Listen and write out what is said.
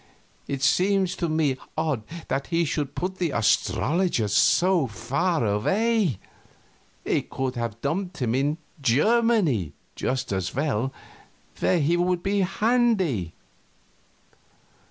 It seems to me odd that he should put the astrologer so far away; he could have dumped him in Germany just as well, where he would be handy.